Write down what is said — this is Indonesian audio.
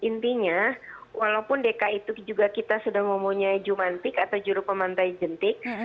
dan intinya walaupun dk itu juga kita sudah mempunyai jumanpic atau juru pemantai jerman